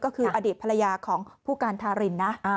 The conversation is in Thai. ก็คืออดีตภรรยาของผู้การทารินนะ